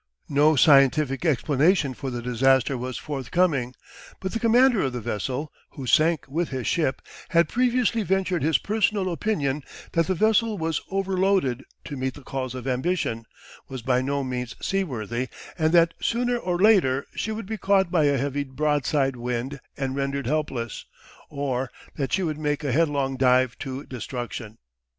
No scientific explanation for the disaster was forthcoming, but the commander of the vessel, who sank with his ship, had previously ventured his personal opinion that the vessel was over loaded to meet the calls of ambition, was by no means seaworthy, and that sooner or later she would be caught by a heavy broadside wind and rendered helpless, or that she would make a headlong dive to destruction.